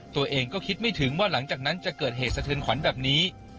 ตัวเองก็คิดไม่ถึงว่าหลังจากนั้นจะเกิดเหตุสะเทือนขวัญแบบนี้